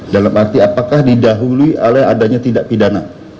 dalam arti apakah didahului oleh adanya tidak pidana